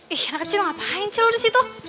ih anak kecil ngapain sih lo disitu